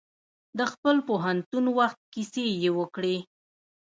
د خپل پوهنتون وخت کیسې یې وکړې.